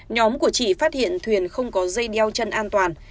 nhóm của chị phát hiện thuyền không có dây đeo chân an toàn